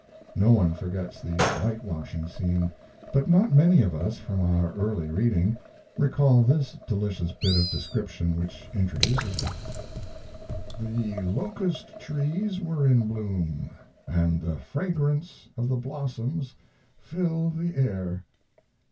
No one forgets the whitewashing scene, but not many of us, from our early reading, recall this delicious bit of description which introduces it: The locust trees were in bloom, and the fragrance of the blossoms filled the air.